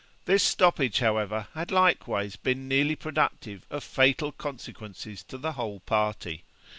This stoppage, however, had likewise been nearly productive of fatal consequences to the whole party.